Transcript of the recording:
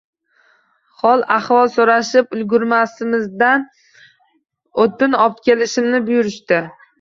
Hol-ahvol so‘rashib ulgurmasimdan, o‘tin opkelishimni buyurishdi